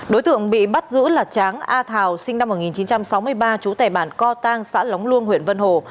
đối tượng bị bắt giữ là tráng a thào sinh năm một nghìn chín trăm sáu mươi ba trú tại bản co tang xã lóng luông huyện vân hồ